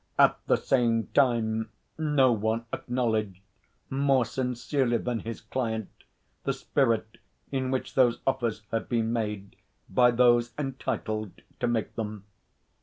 At the same time, no one acknowledged more sincerely than his client the spirit in which those offers had been made by those entitled to make them.